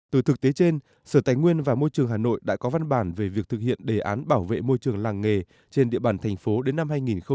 từ thực tế trên sở tài nguyên và môi trường hà nội đã có văn bản về việc thực hiện đề án bảo vệ môi trường làng nghề trên địa bàn thành phố đến năm hai nghìn hai mươi